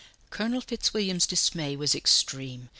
Colonel Fitzwilliam's dismay was extreme.